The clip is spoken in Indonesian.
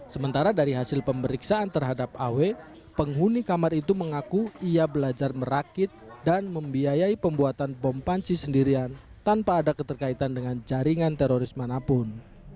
sementara dari hasil pemeriksaan terhadap aw penghuni kamar itu mengaku ia belajar merakit dan membiayai pembuatan bom panci sendirian tanpa ada keterkaitan dengan jaringan teroris manapun